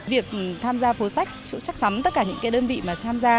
việc tham gia phố sách chắc chắn tất cả những cái đơn vị mà tham gia